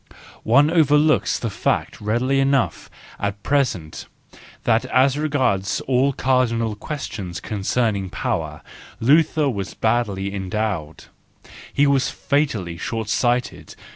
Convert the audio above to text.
... One overlooks the fact readily enough at present that as regards all cardinal questions concerning power Luther was badly endowed; he was fatally short sighted